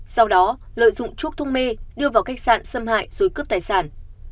sau đó lợi dụng trúc thúc mê đưa vào khách sạn xâm hại rồi cướp tài sản